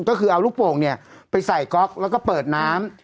ก็คือเอาลูกโป่งเนี่ยไปใส่ก๊อกแล้วก็เปิดน้ำ